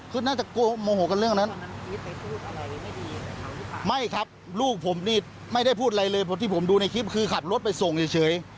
เพราะที่ผมดูในคลิปคือขัดรถไปส่งเฉย